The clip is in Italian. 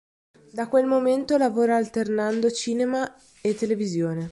Da quel momento lavora alternando cinema e televisione.